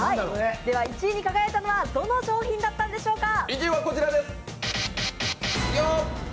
では１位に輝いたのはどの商品だったのでしょうか。